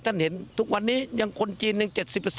ท่านเห็นทุกวันนี้ยังคนจีนยัง๗๐